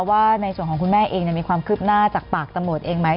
ว่าในส่วนของคุณแม่เองมีความคืบหน้าจากปากตำรวจเองไหม